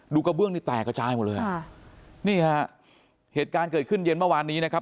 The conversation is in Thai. กระเบื้องนี่แตกกระจายหมดเลยอ่ะค่ะนี่ฮะเหตุการณ์เกิดขึ้นเย็นเมื่อวานนี้นะครับ